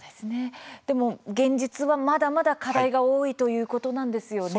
でも現実はまだまだ課題が多いということなんですよね。